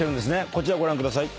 こちらご覧ください。